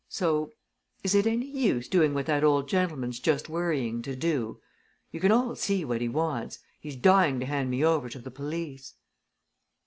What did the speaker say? So is it any use doing what that old gentleman's just worrying to do? You can all see what he wants he's dying to hand me over to the police."